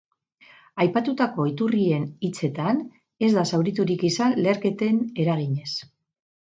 Aipatutako iturriaren hitzetan, ez da zauriturik izan leherketen eraginez.